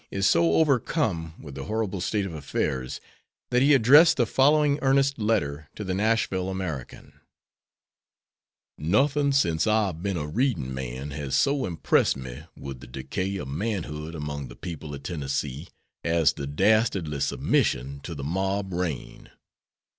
is so overcome with the horrible state of affairs that he addressed the following earnest letter to the Nashville American. Nothing since I have been a reading man has so impressed me with the decay of manhood among the people of Tennessee as the dastardly submission to the mob reign.